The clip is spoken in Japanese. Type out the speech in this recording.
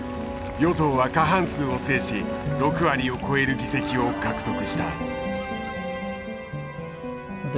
与党は過半数を制し６割を超える議席を獲得した。